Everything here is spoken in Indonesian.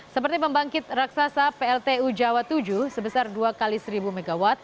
seperti pembangkit raksasa pltu jawa tujuh sebesar dua x seribu mw